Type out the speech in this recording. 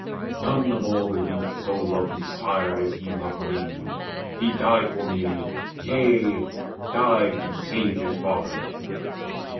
None Of all the youths so loved his sire as he Loved me. He died for me yea, died to save His father.